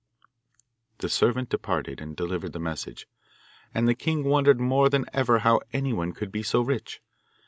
The servant departed and delivered the message, and the king wondered more than ever how anyone could be so rich.